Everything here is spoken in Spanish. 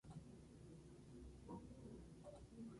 Por otra parte, Chile no reconoce la independencia de Kosovo.